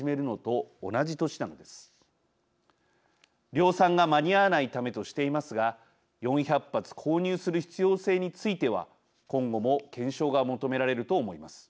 量産が間に合わないためとしていますが４００発購入する必要性については今後も検証が求められると思います。